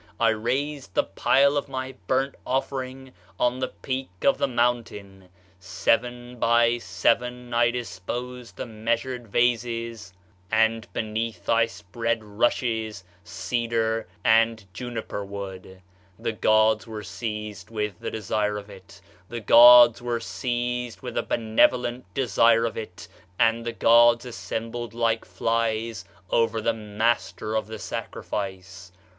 I raised the pile of my burnt offering on the peak of the mountain; seven by seven I disposed the measured vases, and beneath I spread rushes, cedar, and juniper wood. The gods were seized with the desire of it the gods were seized with a benevolent desire of it; and the gods assembled like flies above the master of the sacrifice.